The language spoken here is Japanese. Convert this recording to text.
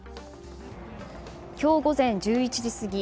今日午前１１時過ぎ